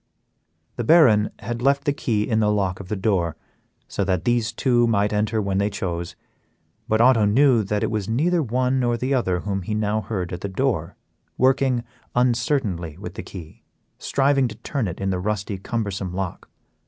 The Baron had left the key in the lock of the door, so that these two might enter when they chose, but Otto knew that it was neither the one nor the other whom he now heard at the door, working uncertainly with the key, striving to turn it in the rusty, cumbersome lock.